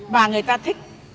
và người ta thích